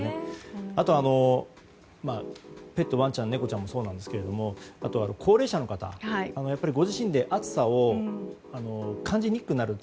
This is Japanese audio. あとペット、ワンちゃん猫ちゃんもそうなんですが高齢者の方ご自身で暑さを感じにくくなる。